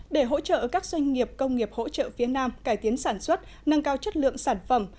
để hỗ trợ các doanh nghiệp công nghiệp hỗ trợ phía nam cải tiến sản xuất nâng cao chất lượng sản phẩm